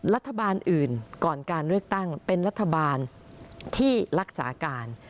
รัฐบาลอื่นก่อนการเลือกตั้งเป็นรัฐบาลที่รักษาการ